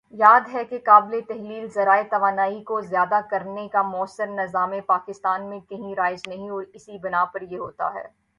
یاد رہے کہ قابلِ تحلیل ذرائع توانائی کو ذیادہ کرنے کا مؤثر نظام پاکستان میں کہیں رائج نہیں اور اسی بنا پر یہ ہوتا ہے